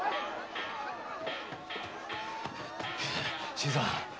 新さん。